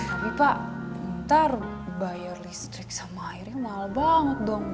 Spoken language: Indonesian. tapi pak ntar bayar listrik sama airnya mahal banget dong